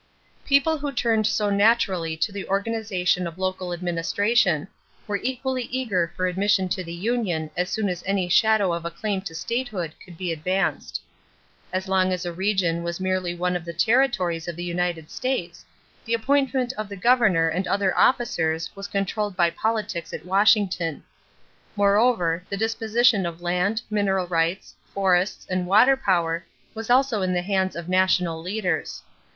People who turned so naturally to the organization of local administration were equally eager for admission to the union as soon as any shadow of a claim to statehood could be advanced. As long as a region was merely one of the territories of the United States, the appointment of the governor and other officers was controlled by politics at Washington. Moreover the disposition of land, mineral rights, forests, and water power was also in the hands of national leaders.